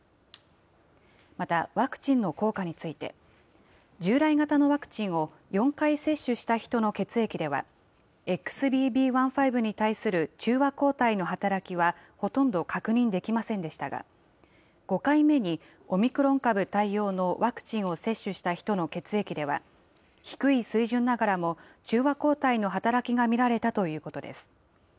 また、ワクチンの効果について、従来型のワクチンを４回接種した人の血液では、ＸＢＢ．１．５に対する中和抗体の働きはほとんど確認できませんでしたが、５回目にオミクロン株対応のワクチンを接種した人の血液では、低い水準ながらも、中和抗体の働きが見られたということです。